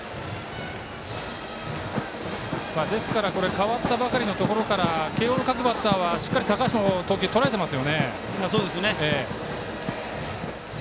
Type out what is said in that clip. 代わったばかりのところから慶応の各バッターはしっかり高橋の投球とらえています。